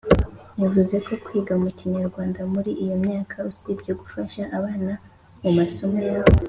Yavuze ko kwiga mu Kinyarwanda muri iyo myaka usibye gufasha abana mu masomo yabo